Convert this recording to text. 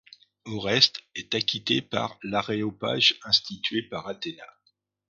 Oreste est acquitté par l'aréopage institué par Athéna.